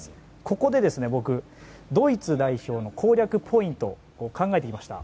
ここで僕、ドイツ代表の攻略ポイントを考えてきました。